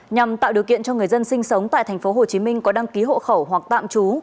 nhằm tạo điều kiện cho người dân sinh sống tại tp hcm có đăng ký hộ khẩu hoặc tạm trú